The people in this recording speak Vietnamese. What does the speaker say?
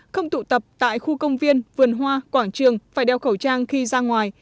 không tụ tập tại khu công viên vườn hoa quảng trường phải đeo khẩu trang khi ra ngoài